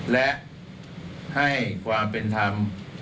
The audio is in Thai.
และให้ความเป็นธรรม